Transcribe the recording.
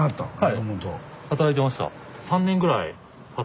はい。